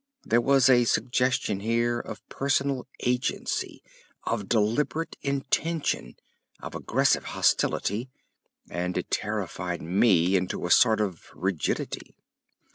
There was a suggestion here of personal agency, of deliberate intention, of aggressive hostility, and it terrified me into a sort of rigidity.